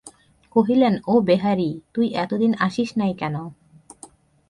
কহিলেন, ও বেহারি, তুই এতদিন আসিস নাই কেন।